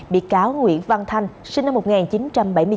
bị cáo nguyễn văn thanh sinh năm một nghìn chín trăm bảy mươi sáu